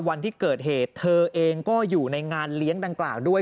วันที่เกิดเหตุเธอเองก็อยู่ในงานเลี้ยงดังกล่าวด้วย